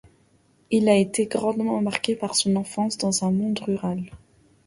Il a été grandement marqué par son enfance dans un monde rural.